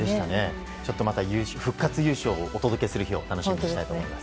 また復活優勝をお届けする日を楽しみにしたいと思います。